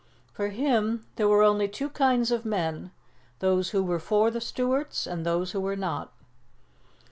For him, there were only two kinds of men, those who were for the Stuarts and those who were not.